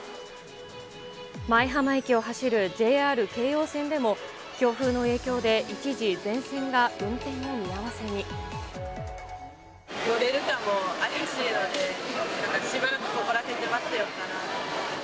舞浜駅を走るＪＲ京葉線でも、強風の影響で一時、乗れるかも怪しいので、しばらくここら辺で待ってようかなって。